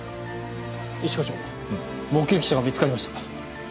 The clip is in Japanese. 一課長目撃者が見つかりました。